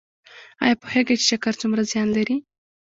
ایا پوهیږئ چې شکر څومره زیان لري؟